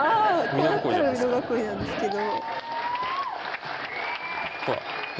こうやったら美濃囲いなんですけど。